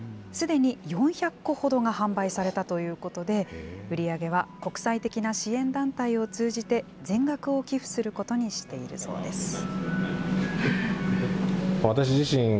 すでに４００個ほどが販売されたということで、売り上げは国際的な支援団体を通じて、全額を寄付することにしているそうです。